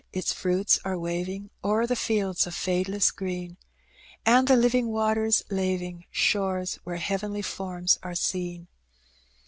Its fruits are waving 0*er the fields of fadeless green ; And the living waters laving Shores where heavenly forms are seen.